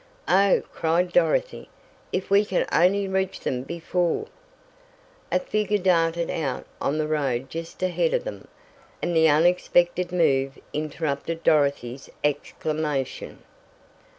"Oh!" cried Dorothy. "If we can only reach them before " A figure darted out on the road just ahead of them, and the unexpected move interrupted Dorothy's exclamation.